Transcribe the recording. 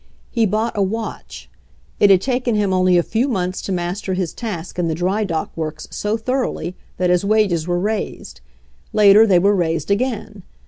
He bought a watch. It had taken him only a few months to master his task in the drydock works so thoroughly that his wages were raised. Later they were raised again.